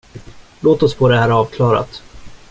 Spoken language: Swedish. Låt oss få det här avklarat.